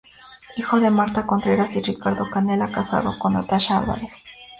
Hijo de Marta Contreras y Ricardo Canela, casado con Natasha Álvarez.